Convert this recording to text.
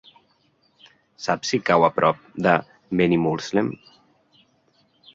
Saps si cau a prop de Benimuslem?